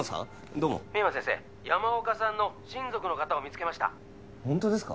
どうも☎深山先生山岡さんの☎親族の方を見つけましたホントですか？